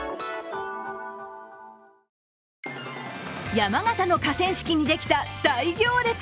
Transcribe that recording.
山形の河川敷にできた大行列。